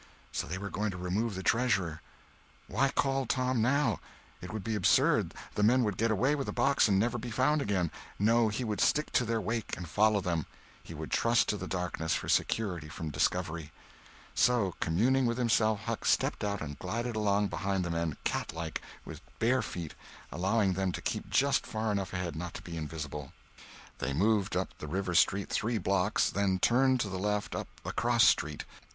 So they were going to remove the treasure. Why call Tom now? It would be absurd—the men would get away with the box and never be found again. No, he would stick to their wake and follow them; he would trust to the darkness for security from discovery. So communing with himself, Huck stepped out and glided along behind the men, cat like, with bare feet, allowing them to keep just far enough ahead not to be invisible. They moved up the river street three blocks, then turned to the left up a crossstreet.